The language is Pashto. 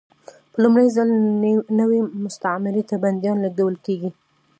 په لومړي ځل نوې مستعمرې ته بندیان لېږدول کېدل.